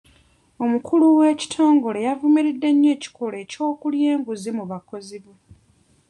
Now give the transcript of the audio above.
Omukulu w'ekitongole yavumiridde nnyo ekikolwa ky'okulya enguzi mu bakozi be.